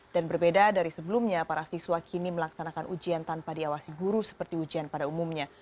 dan berbeda dari sebelumnya para siswa kini melaksanakan ujian tanpa diawasi guru seperti ujian pada umumnya